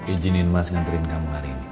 ijinin mas nganterin kamu hari ini ya